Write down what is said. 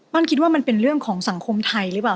คิดว่ามันเป็นเรื่องของสังคมไทยหรือเปล่า